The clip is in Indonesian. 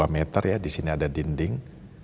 dua meter ya di sini ada dinding